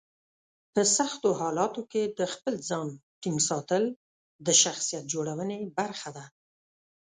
په سختو حالاتو کې د خپل ځان ټینګ ساتل د شخصیت جوړونې برخه ده.